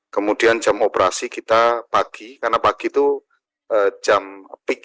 kemudian jam operasi kita pagi karena pagi itu jam peak